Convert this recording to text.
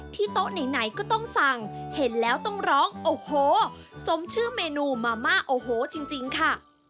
โต๊ะไหนก็ต้องสั่งเห็นแล้วต้องร้องโอ้โหสมชื่อเมนูมาม่าโอ้โหจริงค่ะ